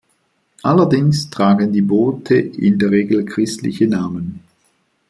Allerdings tragen die Boote in der Regel christliche Namen.